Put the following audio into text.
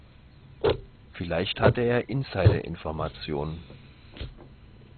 Vielleicht hatte er Insiderinformationen.